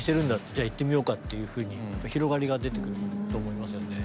じゃあ行ってみようか」っていうふうに広がりが出てくると思いますよね。